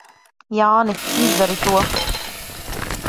Jāni, izdari to!